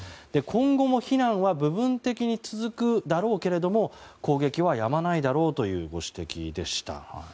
今後も避難は部分的に続くだろうけど攻撃はやまないだろうというご指摘でした。